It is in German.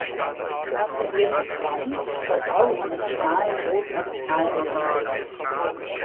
Die Iris ist braun und das Auge von einem schmalen, roten Orbitalring umgeben.